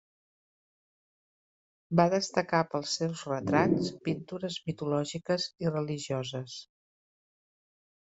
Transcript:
Va destacar pels seus retrats, pintures mitològiques i religioses.